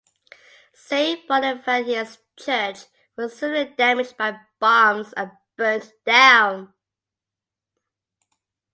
Saint Bonifatius Church was severely damaged by bombs and burnt down.